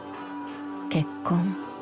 結婚。